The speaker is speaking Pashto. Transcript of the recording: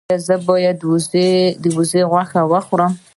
ایا زه باید د وزې غوښه وخورم؟